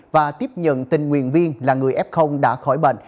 và tiếp nhận tình nguyện viên là người f đã khỏi bệnh